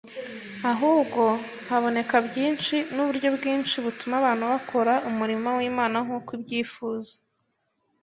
ahubwo haboneka byinshi n’uburyo bwinshi butuma abantu bakora umurimo w’Imana nk’uko ibyifuza.